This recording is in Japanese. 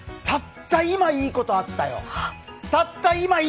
たった今、いいことあったよ